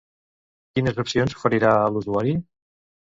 Quines opcions oferirà a l'usuari?